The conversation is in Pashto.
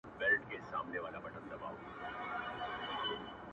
د دروازې له ښورېدو سره سړه سي خونه-